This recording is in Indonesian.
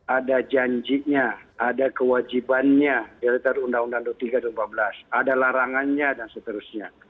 ada janjinya ada kewajibannya ada larangannya dan seterusnya